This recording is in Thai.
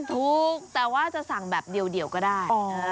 ถูกแต่ว่าจะสั่งแบบเดียวก็ได้